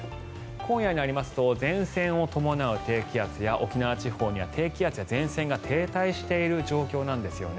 今夜になりますと前線を伴う低気圧や沖縄地方には低気圧や前線が停滞している状況なんですよね。